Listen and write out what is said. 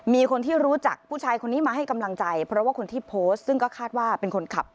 มีคนที่รู้จักผู้ชายคนนี้มาให้กำลังใจเพราะว่าคนที่โพสต์ซึ่งก็คาดว่าเป็นคนขับ